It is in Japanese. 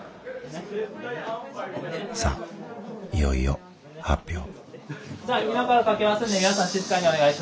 さあいよいよ発表。